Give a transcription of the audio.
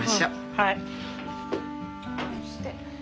はい。